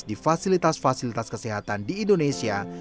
di fasilitas fasilitas kesehatan di indonesia